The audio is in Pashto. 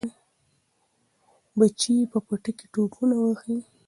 بچي یې په پټي کې ټوپونه وهي.